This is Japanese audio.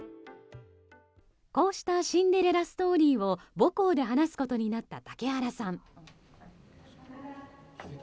こうしたシンデレラストーリーを母校で話すことになった竹原さん。